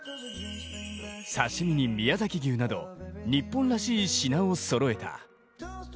刺身に宮崎牛など、日本らしい品をそろえた。